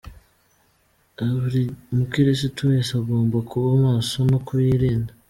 Buri mukiristo wese agomba kuba maso no kuyirinda.